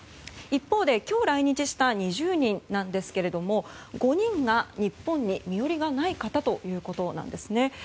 一方で今日来日した２０人ですが５人が日本に身寄りがない方ということなんです。